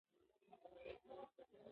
هغې تېره اونۍ یوه جایزه وګټله.